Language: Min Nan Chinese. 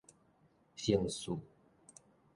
嵊泗